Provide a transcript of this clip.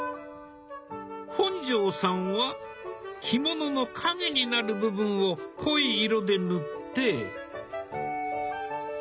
本上さんは着物の影になる部分を濃い色で塗って。